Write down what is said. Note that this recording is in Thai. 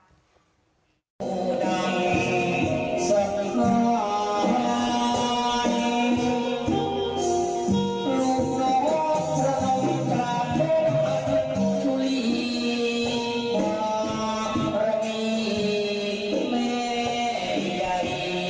นี่ไงค่ะร่วมกันเลยนะครับ